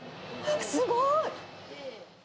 すごーい！